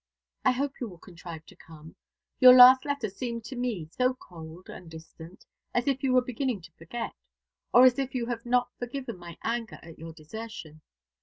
I hope you will contrive to come. Your last letter seemed to me so cold and distant as if you were beginning to forget, or as if you had not forgiven my anger at your desertion.